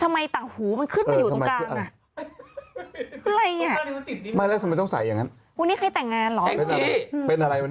ทำไมต่างหูเครื่องปอยอยู่ตรงกลางนะอะไรเงี่ย